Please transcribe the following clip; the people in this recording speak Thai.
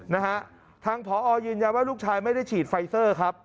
นะฮะทางผอยืนยันว่าลูกชายไม่ได้ฉีดไฟเซอร์ครับ